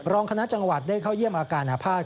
รองคณะจังหวัดได้เข้าเยี่ยมอาการอภาษณ